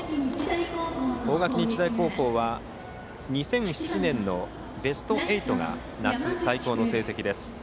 大垣日大高校は２００７年のベスト８が夏、最高の成績です。